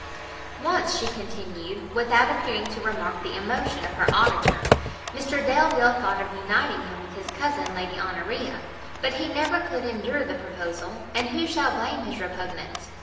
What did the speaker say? "Once," she continued, without appearing to remark the emotion of her auditor, "Mr Delvile thought of uniting him with his cousin Lady Honoria; but he never could endure the proposal; and who shall blame his repugnance?